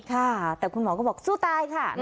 ค่ะแต่คุณหมอก็บอกสู้ตายค่ะ